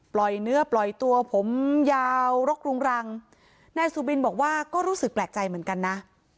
เนื้อปล่อยตัวผมยาวรกรุงรังนายสุบินบอกว่าก็รู้สึกแปลกใจเหมือนกันนะ